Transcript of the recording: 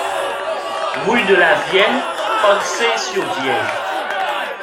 Rue de la Vienne, Parçay-sur-Vienne